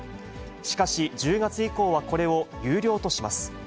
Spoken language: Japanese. しかし、１０月以降は、これを有料とします。